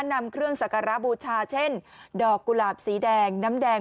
นำเครื่องสักการะบูชาเช่นดอกกุหลาบสีแดงน้ำแดง